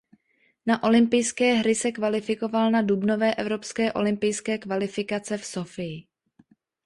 Na olympijské hry se kvalifikoval na dubnové evropské olympijské kvalifikace v Sofii.